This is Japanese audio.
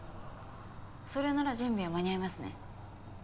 それなら準備は間に合いますね。